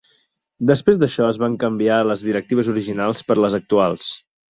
Després d'això es van canviar les directives originals per les actuals.